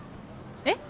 えっ？